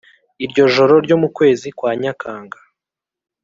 iryo joro ryo mu kwezi kwa nyakanga